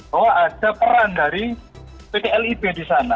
bahwa ada peran dari pt lib di sana